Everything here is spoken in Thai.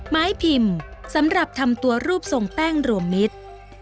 ไม้พิมพ์สำหรับทำตัวรูปทรงแป้งรวมมิตร